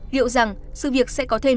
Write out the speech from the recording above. liệu rằng sự việc sẽ có thêm